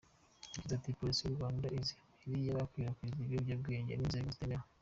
Yagize ati:"Polisi y’u Rwanda izi amayeri y’abakwirakwiza ibiyobyabwenge n’inzoga zitemewe.